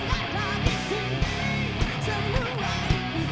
mari kita senang senang